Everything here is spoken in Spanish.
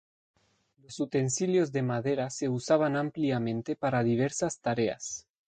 Los utensilios de madera se usaban ampliamente para diversas tareas.